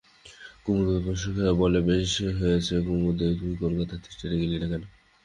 কুমুদকে প্রশংসা করিয়া বলে, বেশ হচ্ছে কুমুদ তুই কলকাতার থিয়েটারে গেলি না কেন?